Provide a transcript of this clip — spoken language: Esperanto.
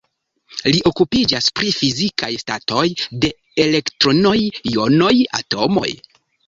Li okupiĝas pri fizikaj statoj de elektronoj, jonoj, atomoj.